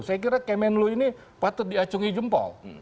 saya kira kemenlu ini patut diacungi jempol